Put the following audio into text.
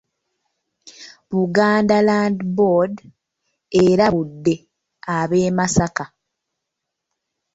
Buganda Land Board erabudde ab'e Masaka.